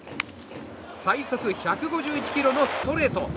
最速１５１キロのストレート。